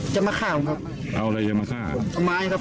จะมาฆ่าผมครับ